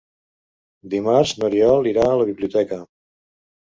Dimarts n'Oriol irà a la biblioteca.